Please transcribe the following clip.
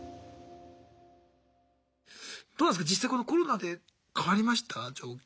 どうなんですか実際このコロナで変わりました？状況。